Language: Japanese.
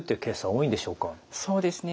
そうですね。